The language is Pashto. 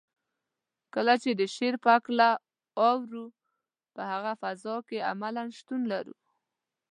کله چې د شعر په هکله اورو په هغه فضا کې عملاً شتون لرو.